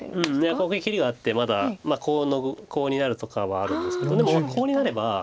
ここに切りがあってまだコウになるとかはあるんですけどでもコウになれば。